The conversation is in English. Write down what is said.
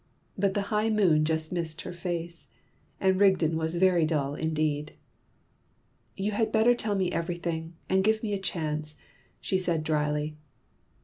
But the high moon just missed her face. And Rigden was very dull indeed. "You had better tell me everything, and give me a chance," she said dryly.